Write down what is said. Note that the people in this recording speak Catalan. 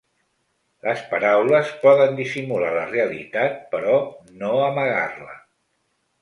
Les paraules poden dissimular la realitat, però no amagar-la.